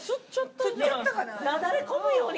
なだれ込むように。